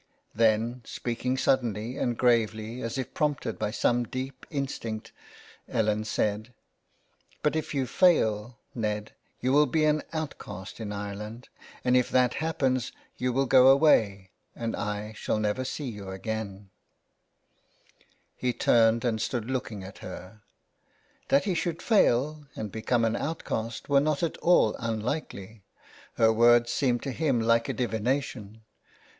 Then, speak ing suddenly and gravely as if prompted by some deep instinct, Ellen said :— "But if you fail, Ned, you will bean outcast in Ireland, and if that happens you will go away, and I shall never see you again/' He turned and stood looking at her. That he should fail and become an outcast were not at all unlikely. Her words seemed to him like a divina tion